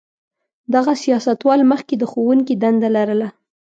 دغه سیاستوال مخکې د ښوونکي دنده لرله.